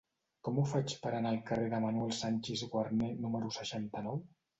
Com ho faig per anar al carrer de Manuel Sanchis Guarner número seixanta-nou?